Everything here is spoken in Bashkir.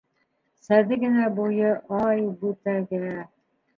Сәҙе генә буйы, ай, бүтәгә